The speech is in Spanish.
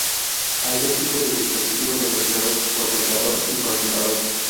Hay dos tipos de dispositivos, denominados concentrador y conmutador.